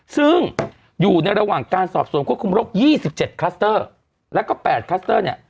ซึ่งอยู่ในระหว่างการสอบสวนควบคุมโรค๒๗คลัสเตอร์แล้วก็๘คลัสเตอร์เนี่ย